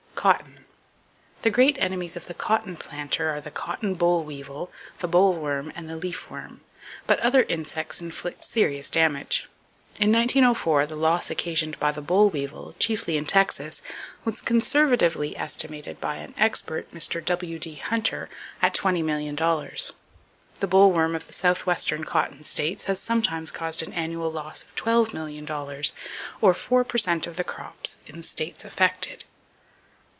Cotton. —The great enemies of the cotton planter are the cotton boll weevil, the bollworm and the leaf worm; but other insects inflict serious damage. In 1904 the loss occasioned by the boll weevil, chiefly in Texas, was conservatively estimated by an expert, Mr. W.D. Hunter, at $20,000,000. The boll worm of the southwestern cotton states has sometimes caused an annual loss of $12,000,000, or four per cent of the crops in the states affected.